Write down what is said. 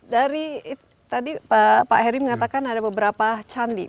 dari tadi pak heri mengatakan ada beberapa candi